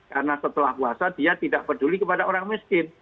karena setelah puasa dia tidak peduli kepada orang miskin